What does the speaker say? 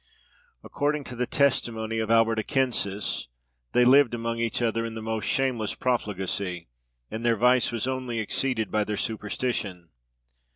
According to the testimony of Albert Aquensis, they lived among each other in the most shameless profligacy, and their vice was only exceeded by their superstition.